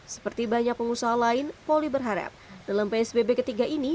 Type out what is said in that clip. seperti banyak pengusaha lain poli berharap dalam psbb ketiga ini